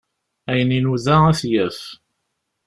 Ayen inuda ad t-yaf.